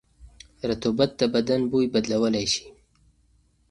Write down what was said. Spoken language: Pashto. رطوبت د بدن بوی بدلولی شي.